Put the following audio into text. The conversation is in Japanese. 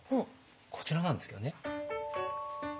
こちらなんですけどね。